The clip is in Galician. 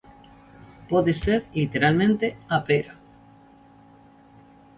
Pode ser, literalmente, a pera.